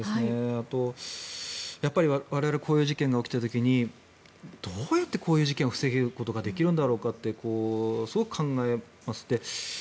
あとは我々こういう事件が起きた時にどうやってこういう事件を防ぐことができるかとすごく考えます。